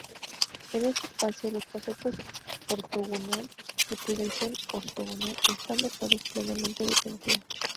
En este espacio, los conceptos ortogonal y proyección ortogonal están dotados plenamente de sentido.